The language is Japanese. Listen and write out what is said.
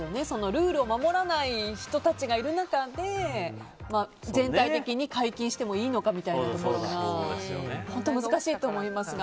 ルールを守らない人がいる中で全体的に解禁してもいいのかということもありますし難しいと思いますが。